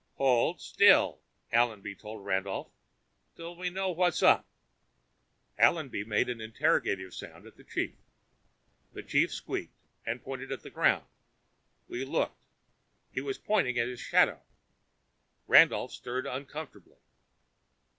"Hold still," Allenby told Randolph, "till we know what's up." Allenby made an interrogative sound at the chief. The chief squeaked and pointed at the ground. We looked. He was pointing at his shadow. Randolph stirred uncomfortably.